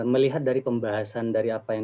melihat dari pembahasan dari apa yang